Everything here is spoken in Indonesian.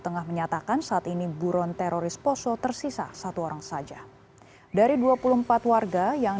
tengah menyatakan saat ini buron teroris poso tersisa satu orang saja dari dua puluh empat warga yang